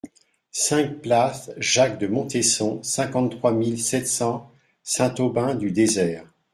cinq place Jacques de Montesson, cinquante-trois mille sept cents Saint-Aubin-du-Désert